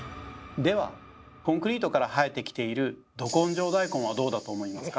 ではコンクリートから生えてきている「ど根性大根」はどうだと思いますか？